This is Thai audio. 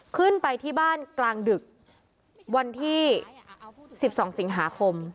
ขึ้นไปที่บ้านกลางดึกวันที่๑๒สิงหาคม